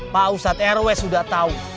pak ustadz rw sudah tahu